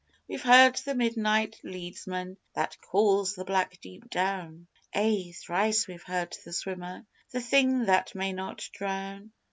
We've heard the Midnight Leadsman That calls the black deep down Ay, thrice we've heard The Swimmer, The Thing that may not drown.